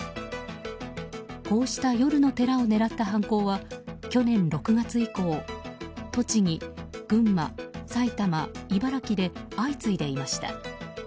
こうした夜の寺を狙った犯行は去年６月以降栃木、群馬、埼玉、茨城で相次いでいました。